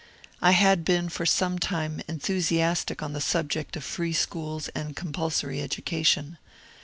I had been for some time enthusiastic on the subject of free schools and compulsory education.